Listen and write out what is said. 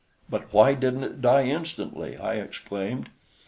"But why didn't it die instantly?" I exclaimed.